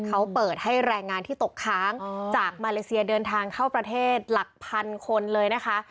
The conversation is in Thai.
เขาเปิดให้แรงงานที่ตกค้างจากมาเลเซียเดินทางเข้าประเทศหลักพันคนเลยนะคะ